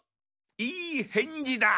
いい返事だ。